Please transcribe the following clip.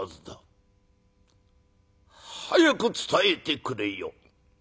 早く伝えてくれよ」。